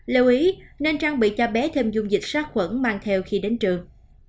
lưu ý nên trang bị cho bé thêm dung dịch sát khuẩn mang theo khi đến trường